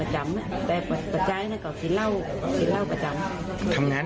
ฮัทโหดเหี่ยม